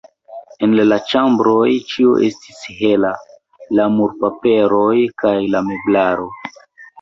En la ĉambroj ĉio estis hela, la murpaperoj kaj la meblaro.